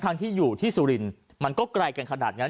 ที่อยู่ที่สุรินทร์มันก็ไกลกันขนาดนั้น